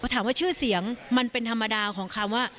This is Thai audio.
ถามว่าชื่อเสียงมันเป็นธรรมดาของคำว่า